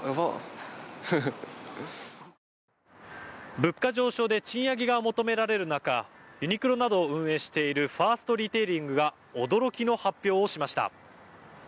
物価上昇で賃上げが求められる中ユニクロなどを運営しているファーストリテイリングが驚きの発表をしました。